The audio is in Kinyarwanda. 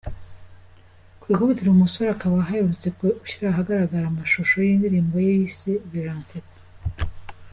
Ku ikubitiro uyu musore akaba aherutse gushyira ahagaragara amashusho y’indirimbo ye yise ‘Biransetsa’.